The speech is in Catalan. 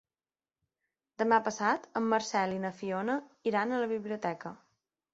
Demà passat en Marcel i na Fiona iran a la biblioteca.